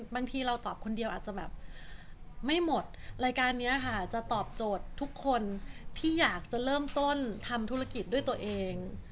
บางทีเราตอบคนเดียวอาจจะแบบไม่หมดรายการนี้ค่ะจะตอบโจทย์ทุกคนที่อยากจะเริ่มต้นทำธุรกิจด้วยตัวเอง